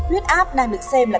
huyết áp đang được xem là